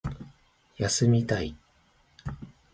休みたい